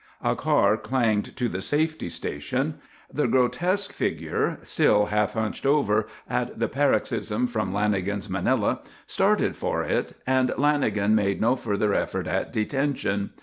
A car clanged to the safety station. The grotesque figure, still half hunched over at the paroxysm from Lanagan's Manila, started for it and Lanagan made no further effort at detention.